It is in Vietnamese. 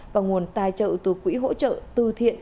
và nguồn tài trợ từ quỹ hỗ trợ tư thiện